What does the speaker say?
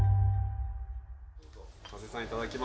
ハセさんいただきます。